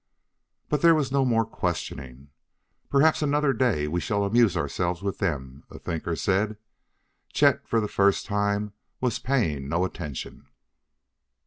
But there was no more questioning. "Perhaps another day we shall amuse ourselves with them," a thinker said. Chet, for the first time was paying no attention.